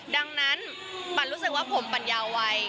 ดังนั้นปันรู้สึกว่าผมปัญญาไว้